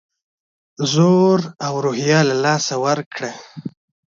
زور او روحیه له لاسه ورکړه.